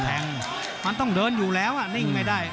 มันน้องต้องเดินอยู่แล้วนิ่งไม่ได้